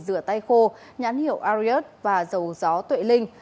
rửa tay khô nhãn hiệu ariot và dầu gió tuệ linh